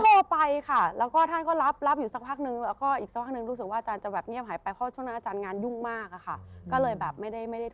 โทรไปค่ะแล้วก็ท่านก็รับอยู่สักพักนึงแล้วก็อีกสักพักนึงรู้สึกว่าอาจารย์จะแบบเงียบหายไปเพราะช่วงนั้นอาจารย์งานยุ่งมากอะค่ะก็เลยแบบไม่ได้ไม่ได้